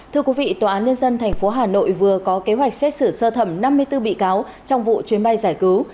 thưa quý vị tòa án nhân dân tp hà nội vừa có kế hoạch xét xử sơ thẩm năm mươi bốn bị cáo trong vụ chuyến bay giải cứu